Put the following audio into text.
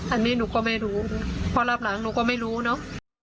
อันนี้หนูก็ไม่รู้พอรับหลังหนูก็ไม่รู้เนอะ